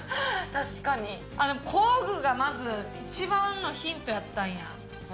工具がまず一番のヒントやったんや。